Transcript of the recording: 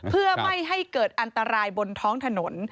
เพื่อไม่ให้เกิดอันตรายบนท้องถนน